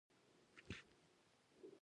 د نیپال پاچا ته هیات ولېږو.